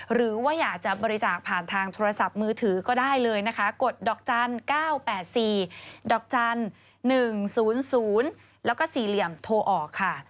หรือว่าอยากจะบริจาคผ่านทางโทรศัพท์มือถือก็ได้เลยนะคะกดดอกจันทร์๙๘๔๑๐๐๔โทรออกค่ะ